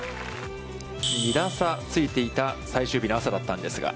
２打差ついていた最終日の朝だったんですが。